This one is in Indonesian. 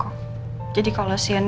kalau ada pas kithatis ketinggalan